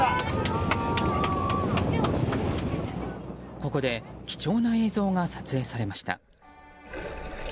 ここで貴重な映像が撮影されました。